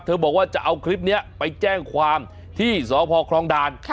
บอกว่าจะเอาคลิปนี้ไปแจ้งความที่สพคลองด่าน